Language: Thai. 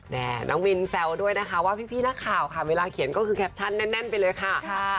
นี่น้องวินแซวด้วยนะคะว่าพี่นักข่าวค่ะเวลาเขียนก็คือแคปชั่นแน่นไปเลยค่ะ